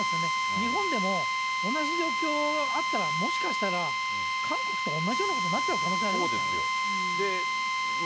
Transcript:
日本でも、同じ状況あったら、もしかしたら、韓国と同じようなことになっちゃう可能性ありますから。